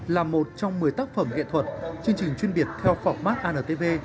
là một trong một mươi tác phẩm nghệ thuật chương trình chuyên biệt theo phỏng mát antv